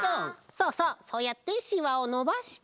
そうそうそうやってしわをのばして。